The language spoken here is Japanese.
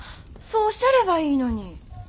そうおっしゃればいいのに。